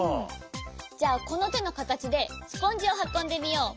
じゃあこのてのかたちでスポンジをはこんでみよう。